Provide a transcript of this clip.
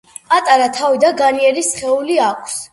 პატარა თავი და განიერი სხეული აქვს.